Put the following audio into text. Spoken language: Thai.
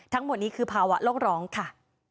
ทั้งหมดนี้คือภาวะโลกร้องค่ะ